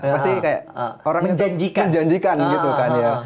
pasti kayak orang yang menjanjikan gitu kan ya